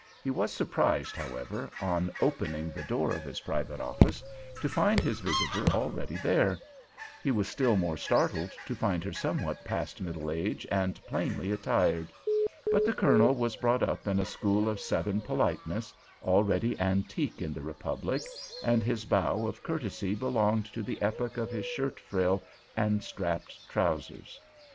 He was surprised, however, on opening the door of his private office to find his visitor already there; he was still more startled to find her somewhat past middle age and plainly attired. But the Colonel was brought up in a school of Southern politeness, already antique in the republic, and his bow of courtesy belonged to the epoch of his shirt frill and strapped trousers.